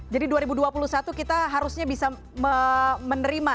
jadi dua ribu dua puluh satu kita harusnya bisa menerima